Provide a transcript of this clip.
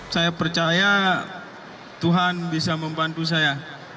saya percaya tuhan bisa membantu saya